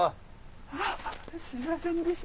あっすいませんでした。